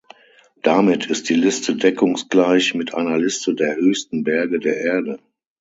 Damit ist die Liste deckungsgleich mit einer Liste der höchsten Berge der Erde.